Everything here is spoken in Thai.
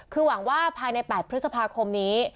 คือหวังว่าภายใน๘พฤษภาคมนี้